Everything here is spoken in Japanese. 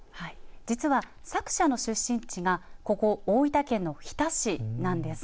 実は作者の出身地がここ大分県の日田市なんです。